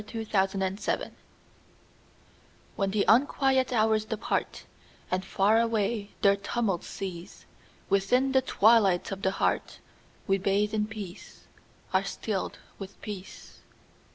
The Hour of Twilight WHEN the unquiet hours departAnd far away their tumults cease, Within the twilight of the heartWe bathe in peace, are stilled with peace.